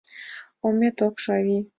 — Омем ок шу, авий...